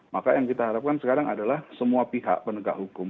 maka yang kita harapkan sekarang adalah semua pihak penegak hukum